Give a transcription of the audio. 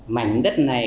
mảnh đất này